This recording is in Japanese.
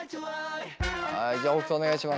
はいじゃあ北斗お願いします。